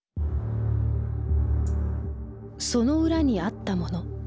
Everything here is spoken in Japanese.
「そのうらにあったもの」。